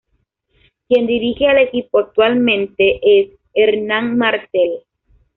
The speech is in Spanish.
Quien dirige al equipo actualmente es Hernán Martel.